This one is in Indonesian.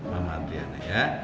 mama adriana ya